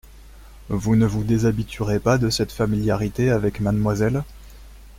Vous ne vous déshabituerez pas de cette familiarité avec mademoiselle ?